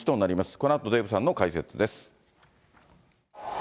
このあとデーブさんの解説です。